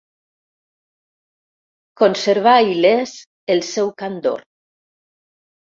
Conservà il·lès el seu candor.